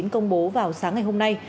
công bố vào sáng ngày hôm nay